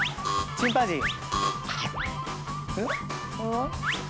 チンパンジー。